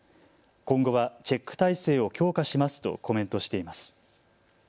今後はチェック体制を強化しますとコメントしています。